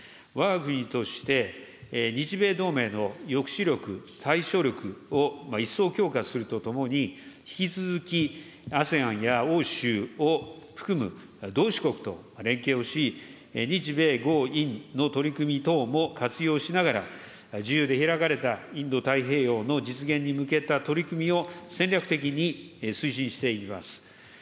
わが国として、日米同盟の抑止力、対処力を一層強化するとともに、引き続きＡＳＥＡＮや欧州を含む同志国と連携し、日米豪印の取り組み等も活用しながら、自由で開かれたインド太平洋の実現に向けた取り組みを戦略的に推進していきます。